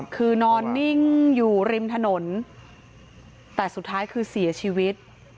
คือนอนนิ่งอยู่ริมถนนแต่สุดท้ายคือเสียชีวิต